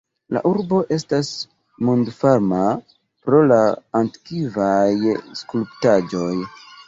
La urbo estas mondfama pro la antikvaj skulptaĵoj.